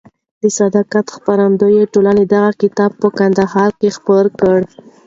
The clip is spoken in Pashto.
د صداقت خپرندویه ټولنې دغه کتاب په کندهار کې خپور کړ.